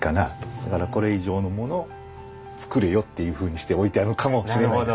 だからこれ以上のものを作れよっていうふうにして置いてあるのかもしれませんね。